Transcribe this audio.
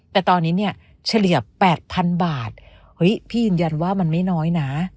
แต่ตอนนี้เนี่ยเฉลี่ย๘๐๐๐บาทเฮ้ยพี่ยืนยันว่ามันไม่น้อยนะ